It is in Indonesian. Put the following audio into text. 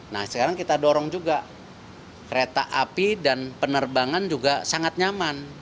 nah sekarang kita dorong juga kereta api dan penerbangan juga sangat nyaman